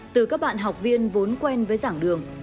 từ các bạn học viên vốn quen với giảng đường